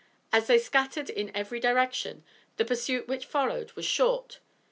As they scattered in every direction, the pursuit which followed was short.